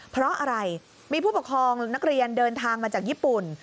เพราะอะไรมีผู้ปกครองนักเรียนเดินทางมาจากญี่ปุ่น